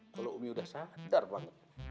kalau umi udah sadar banget